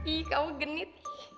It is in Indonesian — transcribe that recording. ih kamu genit